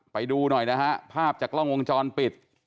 ไปดูหน่อยนะฮะภาพจากกล้องวงจรปิด